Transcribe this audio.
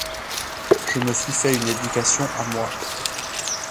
Je me suis fait une éducation à moi.